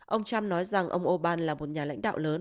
ông trump nói rằng ông orbán là một nhà lãnh đạo lớn